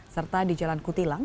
serta di jalan kutilang